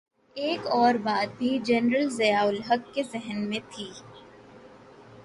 ایک اور بات بھی جنرل ضیاء الحق کے ذہن میں تھی۔